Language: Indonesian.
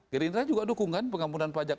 gerindra juga dukung kan pengampunan pajak